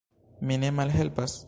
Mi ne malhelpas?